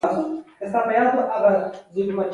جګړه به د لنډ وخت لپاره ودرېده.